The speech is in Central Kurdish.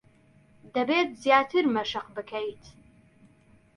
دەبێت زیاتر مەشق بکەیت.